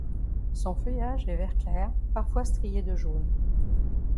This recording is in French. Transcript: Son feuillage est vert clair, parfois strié de jaune.